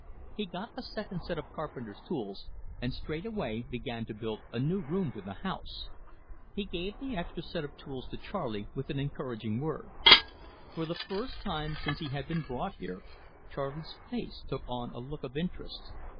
He got a second set of carpenter's tools, and straightway began to build a new room to the house. He gave the extra set of tools to Charley with an encouraging word. For the first time since he had been brought here, Charley's face took on a look of interest.